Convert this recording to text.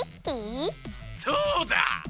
そうだ！